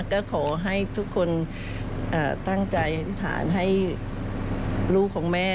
ก็ขอให้ทุกคนตั้งใจอธิษฐานให้ลูกของแม่